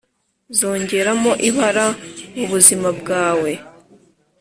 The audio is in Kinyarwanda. zongeramo ibara mubuzima bwawe ..!!